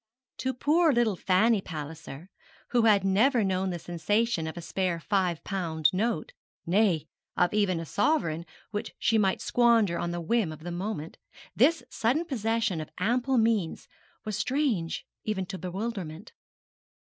To poor little Fanny Palliser, who had never known the sensation of a spare five pound note, nay, of even a sovereign which she might squander on the whim of the moment, this sudden possession of ample means was strange even to bewilderment.